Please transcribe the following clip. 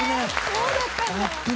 そうだったんだ。